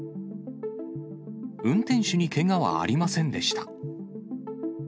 運転手にけがはありませんでした。